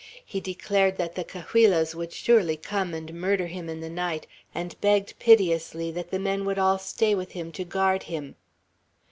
He declared that the Cahuillas would surely come and murder him in the night, and begged piteously that the men would all stay with him to guard him.